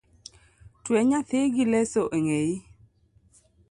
Twe nyathi gi leso eng'eyi.